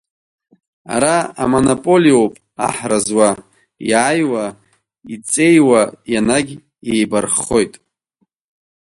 Ара амонополиоуп аҳра зуа, иааиуа, иҵеиуа ианагь еибарххоит.